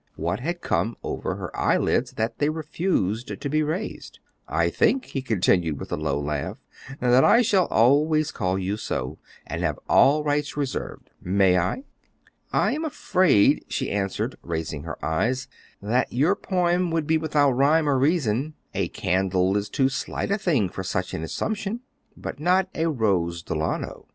What had come over her eyelids that they refused to be raised? "I think," he continued with a low laugh, "that I shall always call you so, and have all rights reserved. May I?" "I am afraid," she answered, raising her eyes, "that your poem would be without rhyme or reason; a candle is too slight a thing for such an assumption." "But not a Rose Delano.